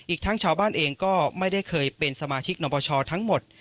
อีกทั้งชาวบ้านเองก็ไม่ได้เคยเป็นสมาชิกนปชทั้งหมด